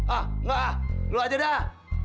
ah nggak ah lu aja dah